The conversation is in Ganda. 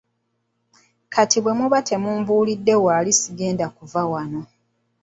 Kati bwe muba temumbuulidde waali sigenda kuva wano.